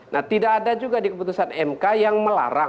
nah tidak ada juga di keputusan mk yang melarang